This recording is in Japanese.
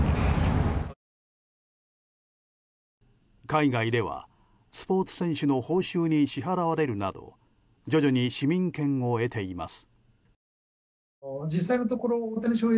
海外ではスポーツ選手の報酬に支払われるなど徐々に市民権を得ています。